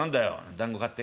「だんご買って」。